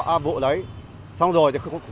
à vụ đấy xong rồi thì không to